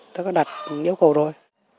tức là đặt nhớ cầu rồi